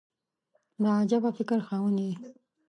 د عجبه فکر خاوند یې !